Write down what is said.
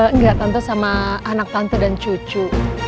enggak tentu sama anak tante dan cucu